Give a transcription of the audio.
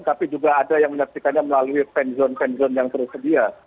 tapi juga ada yang menyaksikannya melalui fan zone fan zone yang terus sedia